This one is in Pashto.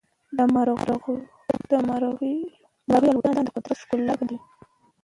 د مرغیو الوت د قدرت ښکلا څرګندوي.